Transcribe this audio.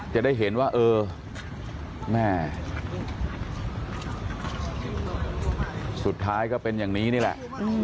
จะได้เห็นว่าเออแม่สุดท้ายก็เป็นอย่างนี้นี่แหละ